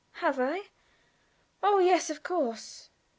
"Have I? Oh, yes, of course!"